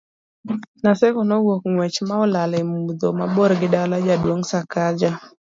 Naseko nowuok ng'wech ma olal e mudho mabor gi dala jaduong' Sakaja